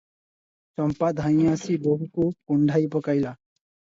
ଚମ୍ପା ଧାଇଁଆସି ବୋହୂକୁ କୁଣ୍ଢାଇ ପକାଇଲା ।